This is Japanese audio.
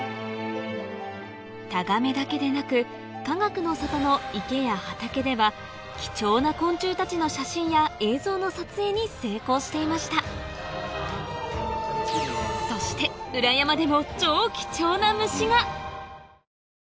タガメだけでなくかがくの里の池や畑では貴重な昆虫たちの写真や映像の撮影に成功していましたそして来ましたよ。